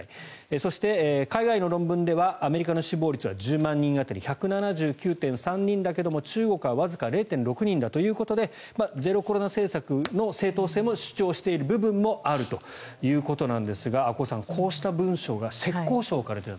そして海外の論文ではアメリカの死亡率は１０万人当たり１７９．３人だけど中国はわずか０．６人だということでゼロコロナ政策の正当性も主張している部分もあるということなんですが阿古さん、こうした文章が浙江省から出た。